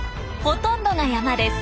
ほとんどが山です。